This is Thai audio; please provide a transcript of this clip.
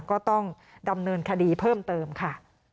ก็ต้องดำเนินคดีเพิ่มเติมค่ะ